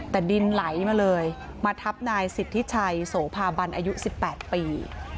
แต่ดินไหลมาเลยมาทับนายสิทธิชัยโสภาบันอายุ๑๘ปี